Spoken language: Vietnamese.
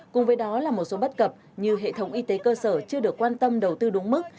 cùng với đó là một số bất cập như hệ thống y tế cơ sở chưa được quan tâm đầu tư đúng mức